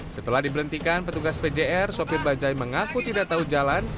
setelah diberhentikan petugas pjr sopir bajai mengaku tidak tahu jalan